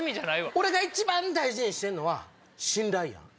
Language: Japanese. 俺が一番大事にしてんのは信頼やん。